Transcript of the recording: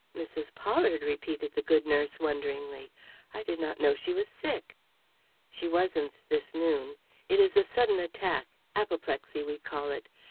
"Mrs. Pollard!" repeated the good nurse, wonderingly. "I did not know she was sick." "She wasn't this noon. It is a sudden attack. Apoplexy we call it.